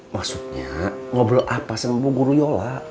maksudnya ngobrol apa sama guru yola